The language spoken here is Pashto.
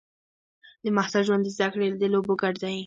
د محصل ژوند د زده کړې او لوبو ګډ دی.